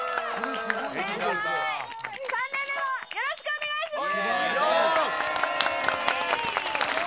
３年目もよろしくお願いします。